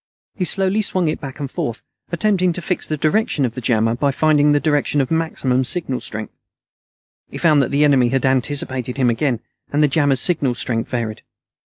He slowly swung it back and forth, attempting to fix the direction of the jammer by finding the direction of maximum signal strength. He found that the enemy had anticipated him again, and the jammer's signal strength varied.